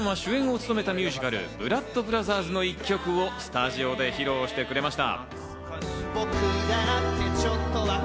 去年は主演を務めたミュージカル『ブラッド・ブラザーズ』の１曲をスタジオで披露してくれました。